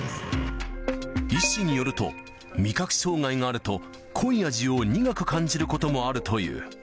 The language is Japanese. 医師によると、味覚障害があると、濃い味を苦く感じることもあるという。